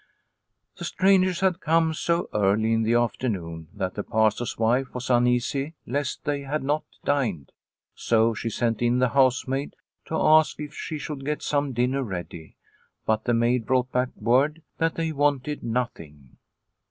The strangers had come so early in the 218 The Accusation 219 afternoon that the Pastor's wife was uneasy lest they had not dined. So she sent in the house maid to ask if she should get some dinner ready, but the maid brought back word that they wanted nothing.